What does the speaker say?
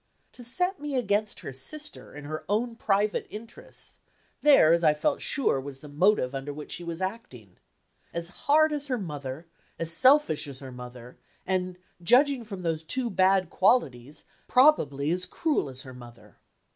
To set me against her sister, in her own private interests there, as I felt sure, was the motive under which she was acting. As hard as her mother, as selfish as her mother, and, judging from those two bad qualities, probably as cruel as her mother.